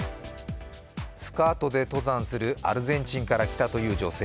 スカートで登山する、アルゼンチンから来たという女性。